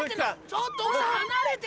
ちょっと奥さん離れて！